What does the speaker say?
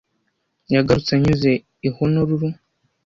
Yagarutse anyuze i Honolulu.